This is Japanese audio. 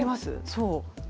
そう。